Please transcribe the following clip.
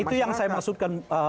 itu yang saya maksudkan